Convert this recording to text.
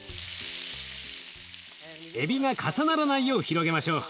エビが重ならないよう広げましょう。